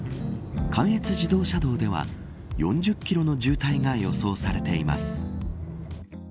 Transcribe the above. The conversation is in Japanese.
関越自動車道では４０キロの渋滞が予想されています。